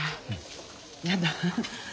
やだ。